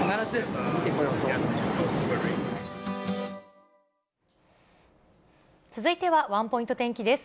というか、続いてはワンポイント天気です。